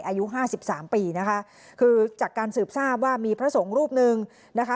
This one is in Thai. อายุห้าสิบสามปีนะคะคือจากการสืบทราบว่ามีพระสงฆ์รูปหนึ่งนะคะ